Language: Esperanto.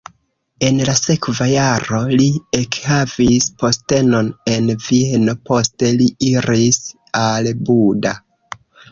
En la sekva jaro li ekhavis postenon en Vieno, poste li iris al Buda.